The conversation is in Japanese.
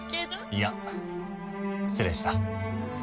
いや失礼した。